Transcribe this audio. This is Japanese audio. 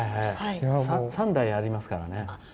３代ありますからね。